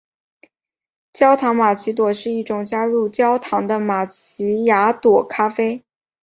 焦糖玛琪雅朵是一种加入焦糖的玛琪雅朵咖啡。